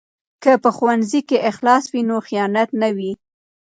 که په ښوونځي کې اخلاص وي نو خیانت نه وي.